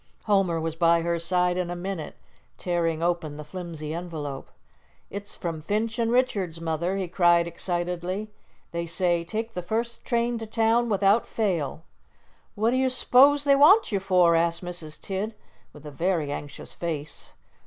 Homer was by her side in a minute, tearing open the flimsy envelope. "It's from Finch & Richards, Mother," he cried excitedly. "They say, 'Take the first train to town without fail.'" "What do you s'pose they want you for?" asked Mrs. Tidd, with a very anxious face.